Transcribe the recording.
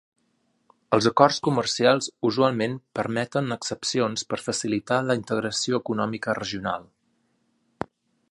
Els acords comercials usualment permeten excepcions per facilitar la integració econòmica regional.